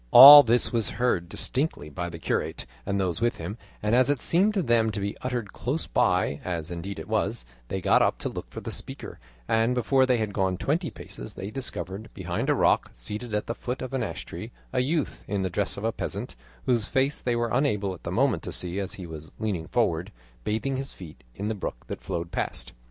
All this was heard distinctly by the curate and those with him, and as it seemed to them to be uttered close by, as indeed it was, they got up to look for the speaker, and before they had gone twenty paces they discovered behind a rock, seated at the foot of an ash tree, a youth in the dress of a peasant, whose face they were unable at the moment to see as he was leaning forward, bathing his feet in the brook that flowed past.